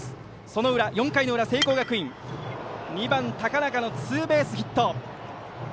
その裏、４回の裏、聖光学院２番、高中のツーベースヒット。